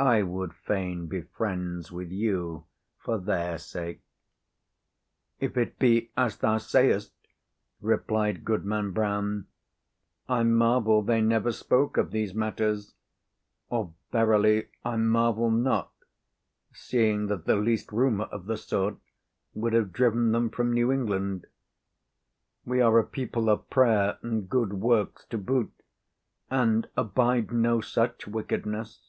I would fain be friends with you for their sake." "If it be as thou sayest," replied Goodman Brown, "I marvel they never spoke of these matters; or, verily, I marvel not, seeing that the least rumor of the sort would have driven them from New England. We are a people of prayer, and good works to boot, and abide no such wickedness."